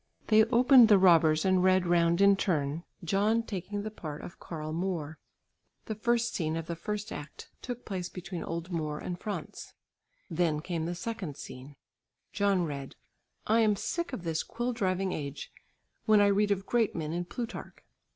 They opened "The Robbers" and read round in turn, John taking the part of Karl Moor. The first scene of the first act took place between old Moor and Franz. Then came the second scene: John read, "I am sick of this quill driving age when I read of great men in Plutarch."